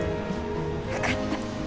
分かった。